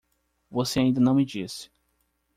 Você ainda não me disse